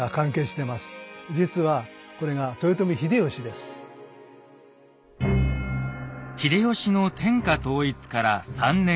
では家康は秀吉の天下統一から３年後。